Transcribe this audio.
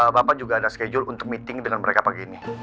bapak juga ada schedule untuk meeting dengan mereka pagi ini